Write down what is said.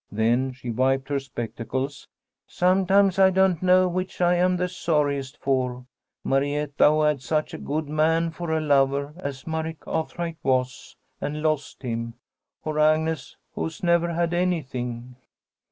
Then she wiped her spectacles. "Sometimes I don't know which I'm the sorriest for, Marietta, who had such a good man for a lover as Murray Cathright was, and lost him, or Agnes, who's never had anything."